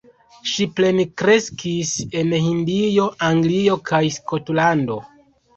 Ŝi plenkreskis en Hindio, Anglio kaj Skotlando.